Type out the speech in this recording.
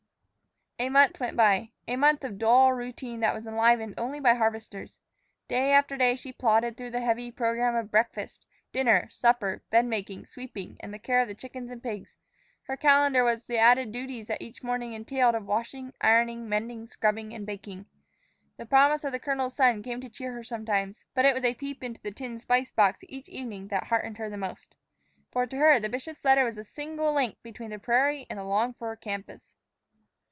A MONTH went by, a month of dull routine that was enlivened only by the harvesters. Day after day she plodded through a heavy program of breakfast, dinner, supper, bed making, sweeping, and the care of the chickens and pigs; her calendar was the added duties that each morning entailed of washing, ironing, mending, scrubbing, and baking. The promise of the colonel's son came to cheer her sometimes; but it was a peep into the tin spice box each evening that heartened her most. For to her the bishop's letter was the single link between the prairie and the longed for campus.